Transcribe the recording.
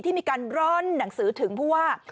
ที่มีการร้อนหนังสือถึงพวก